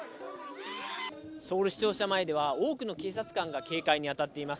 ソウル市庁舎前では多くの警察官が警戒にあたっています。